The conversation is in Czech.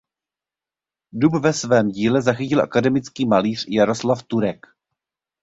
Dub ve svém díle zachytil akademický malíř Jaroslav Turek.